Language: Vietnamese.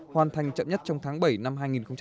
hoàn thành chậm nhất trong tháng bảy năm hai nghìn hai mươi